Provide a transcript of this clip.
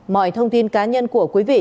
mọi thông tin cá nhân của quý vị